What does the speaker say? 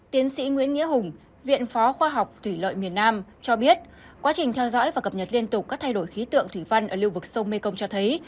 tiến sĩ nguyễn nghĩa hùng viện phó khoa học thủy lợi miền nam cho biết quá trình theo dõi và cập nhật liên tục các thay đổi khí tượng thủy văn ở lưu vực sông mekong cho thấy